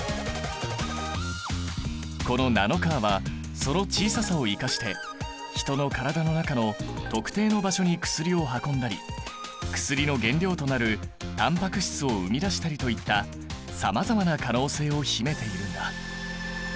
このナノカーはその小ささを生かして人の体の中の特定の場所に薬を運んだり薬の原料となるタンパク質を生み出したりといったさまざまな可能性を秘めているんだ。